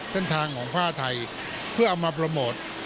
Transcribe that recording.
เส้นทางของภาคไทยเพื่อประโมท